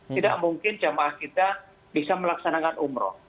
tidak mungkin jemaah kita bisa melaksanakan umroh